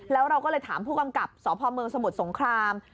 แล้วเราก็เลยถามผู้กำกับสพเมืองสมุทรสงคราม